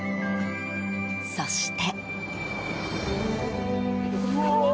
そして。